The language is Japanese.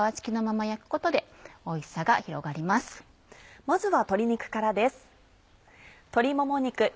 まずは鶏肉からです。